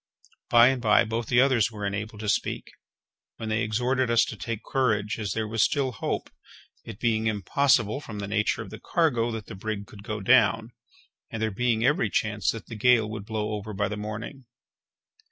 By and by both the others were enabled to speak, when they exhorted us to take courage, as there was still hope; it being impossible, from the nature of the cargo, that the brig could go down, and there being every chance that the gale would blow over by the morning.